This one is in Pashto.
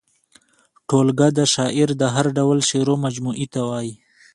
ټولګه د شاعر د هر ډول شعرو مجموعې ته وايي.